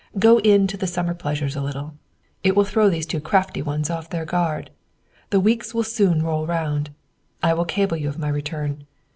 Go in to the summer pleasures a little. It will throw these two crafty ones off their guard. The weeks will soon roll around. I will cable you of my return.